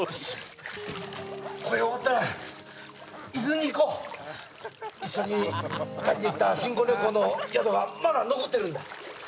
これ終わったら伊豆に行こう一緒に２人で行った新婚旅行の宿はまだ残ってるんだ